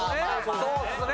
そうっすね！